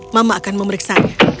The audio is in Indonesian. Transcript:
mama akan memeriksa